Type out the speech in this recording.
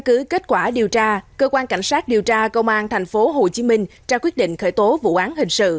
từ kết quả điều tra cơ quan cảnh sát điều tra công an tp hcm ra quyết định khởi tố vụ án hình sự